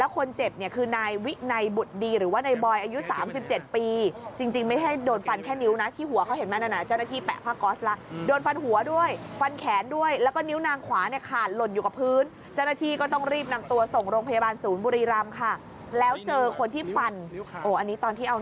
โอ้โฮโอ้โฮโอ้โฮโอ้โฮโอ้โฮโอ้โฮโอ้โฮโอ้โฮโอ้โฮโอ้โฮโอ้โฮโอ้โฮโอ้โฮโอ้โฮโอ้โฮโอ้โฮโอ้โฮโอ้โฮโอ้โฮโอ้โฮโอ้